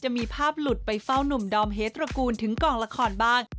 จะมีภาพหลุดไปเฝ้านุ่มดอมเฮดตระกูลถึงกองละครบ้าง